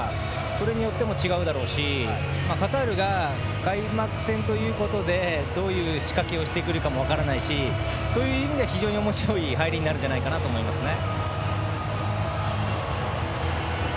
それによっても違うだろうしカタールが開幕戦ということでどういう仕掛けをしてくるかも分からないしそういう意味では非常におもしろい入りになると思いますね。